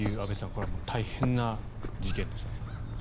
これは大変な事件です。